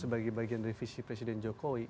bagi bagian dari visi presiden jokowi